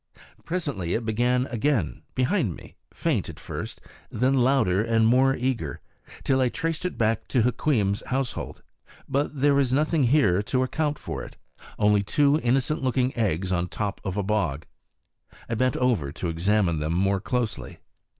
Presently it began again behind me, faint at first, then louder and more eager, till I traced it back to Hukweem's household. But there was nothing here to account for it, only two innocent looking eggs on top of a bog. I bent over to examine them more closely.